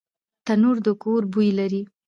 تنور د کور بوی لري